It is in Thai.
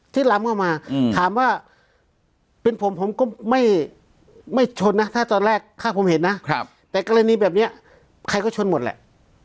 แต่กรณีแบบนี้ใครก็ชนหมดแหละ